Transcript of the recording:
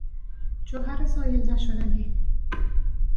جوهر زایل نشدنی